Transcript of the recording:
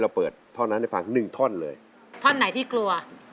อ่ะขอฟังท่อนนี้ค่ะ